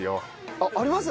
あっあります？